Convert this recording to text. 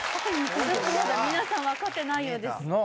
皆さん分かってないようですなあ？